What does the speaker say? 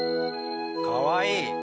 かわいい！